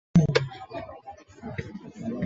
特拉华州议会是美国特拉华州的立法机构。